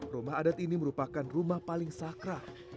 rumah adat ini merupakan rumah paling sakra